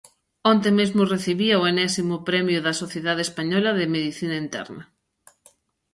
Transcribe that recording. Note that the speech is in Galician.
Onte mesmo recibía o enésimo premio da Sociedade Española de Medicina Interna.